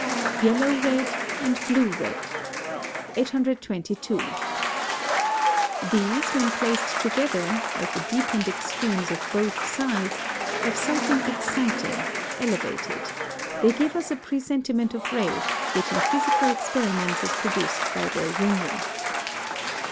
YELLOW RED AND BLUE RED. 822. These, when placed together, as the deepened extremes of both sides, have something exciting, elevated: they give us a presentiment of red, which in physical experiments is produced by their union.